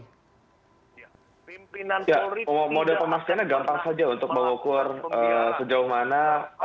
ya model pemasjahannya gampang saja untuk mengukur sejauh mana